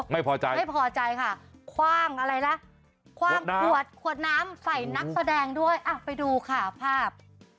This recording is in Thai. ไม่พอใจไม่พอใจค่ะคว่างอะไรล่ะคว่างขวดขวดน้ำใส่นักแสดงด้วยไปดูค่ะภาพ